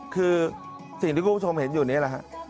คือสิ่งที่คุณผู้ชมเห็นอยู่นี่แหละฮะ